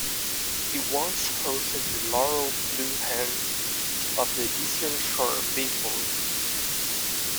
It once hosted the Laurel Blue Hens of the Eastern Shore Baseball League.